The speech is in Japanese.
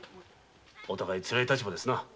お互いにつらい立場ですな。